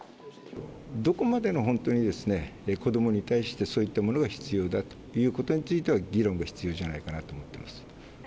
どこまでの本当にですね、子どもに対して、そういったものが必要だということについては、議論が必要じゃないかなと思っています。